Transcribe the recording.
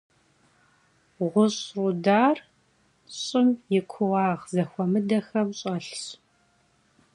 Ğuş' rudar ş'ım yi kuuağ zexuemıdexem ş'elhş.